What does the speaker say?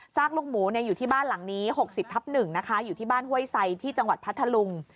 ลูกหมูอยู่ที่บ้านหลังนี้๖๐ทับ๑นะคะอยู่ที่บ้านห้วยไซที่จังหวัดพัทธลุง